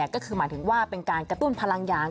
ก็คือหมายถึงว่าเป็นการกระตุ้นพลังอย่าง